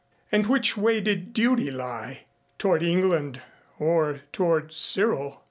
And which way did duty lie? Toward England or toward Cyril?